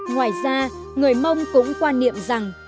ngoài ra người mông cũng quan niệm rằng